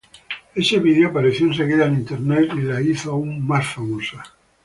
Ese vídeo apareció enseguida en Internet y la hizo aún más famosa.